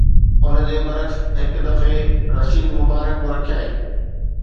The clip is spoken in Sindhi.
ان جي برعڪس، هڪ دفعي رشيد مبارڪ به رکيائين